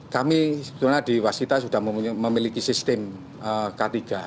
kami sebenarnya di wasita sudah memiliki sistem k tiga